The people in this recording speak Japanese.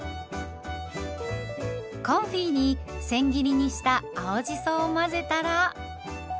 コンフィにせん切りにした青じそを混ぜたら。